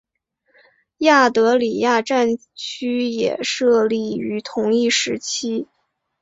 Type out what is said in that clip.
亚德里亚战区也设立于同一时期。